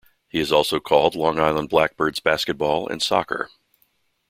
He has also called Long Island Blackbirds basketball and soccer.